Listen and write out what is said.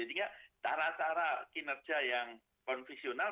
jadi tidak cara cara kinerja yang konfisional